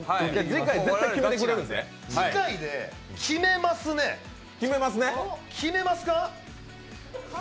次回で決めますね決めますか？